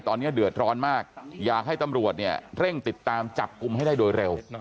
ตอนนี้เดือดร้อนมากอยากให้ตำรวจเนี่ยเร่งติดตามจับกลุ่มให้ได้โดยเร็ว